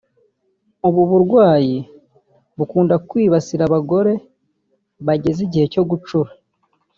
ubu burwayi bukunda kwibasira abagore bageze igihe cyo gucura